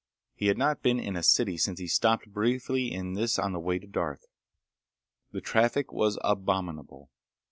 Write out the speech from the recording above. He had not been in a city since he stopped briefly in this on the way to Darth. The traffic was abominable.